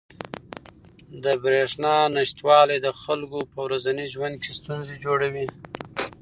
د بریښنا نشتوالی د خلکو په ورځني ژوند کې ستونزې جوړوي.